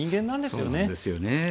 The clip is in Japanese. そうなんですよね。